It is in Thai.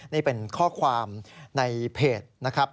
นี่เป็นข้อความในเพจนะครับ